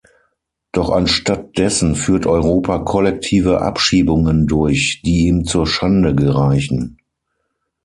Doch anstatt dessen führt Europa kollektive Abschiebungen durch, die ihm zur Schande gereichen.